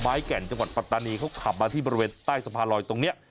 แก่นจังหวัดปัตตานีเขาขับมาที่บริเวณใต้สะพานลอยตรงนี้